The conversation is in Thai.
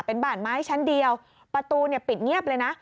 เป็นบ้านไม้ชั้นเดียวประตูเนี่ยปิดเงียบเลยนะ